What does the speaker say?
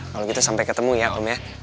kalau gitu sampai ketemu ya om ya